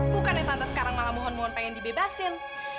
bukan yang tante sekarang malah mohon mohon pengen dibebasin